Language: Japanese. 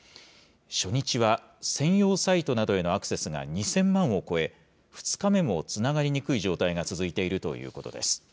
初日は専用サイトなどへのアクセスが２０００万を超え、２日目もつながりにくい状態が続いているということです。